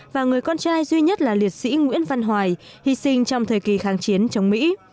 và người con trai duy nhất là liệt sĩ nguyễn văn hoài hy sinh trong thời kỳ kháng chiến chống mỹ